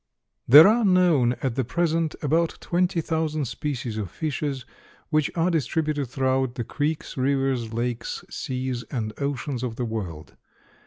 There are known at the present about twenty thousand species of fishes, which are distributed throughout the creeks, rivers, lakes, seas and oceans of the world.